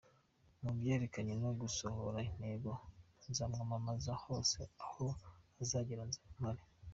Mu byerekeranye no gusohoza intego, nzamwamamaza hose aho azagera nzaba mpari.